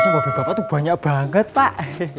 mobil bapak tuh banyak banget pak